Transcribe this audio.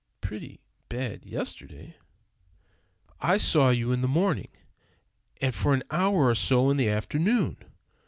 "Pretty bad yesterday?" "I saw you in the morning, and for an hour or so in the afternoon.